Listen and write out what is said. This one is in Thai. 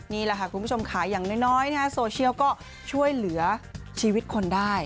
นี่แหละค่ะคุณผู้ชมค่ะอย่างน้อยโซเชียลก็ช่วยเหลือชีวิตคนได้